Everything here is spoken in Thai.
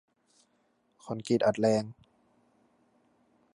คอนกรีตอัดแรง